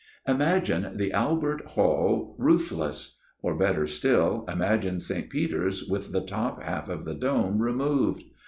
" Imagine the Albert Hall roofless ; or better still, imagine Saint Peter's with the top half of the dome removed.